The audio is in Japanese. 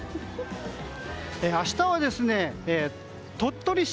明日は鳥取市